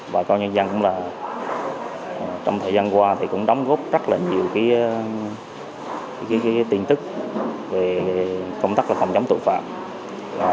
bà con nhân dân cũng là trong thời gian qua thì cũng đóng góp rất là nhiều tin tức về công tác phòng chống tội phạm